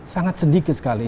sangat sedikit sekali